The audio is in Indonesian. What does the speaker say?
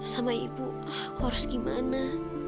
sama ibu aku harus gimana